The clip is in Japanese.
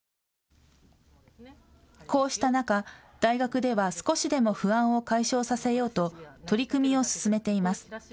こうした中、大学では少しでも不安を解消させようと取り組みを進めています。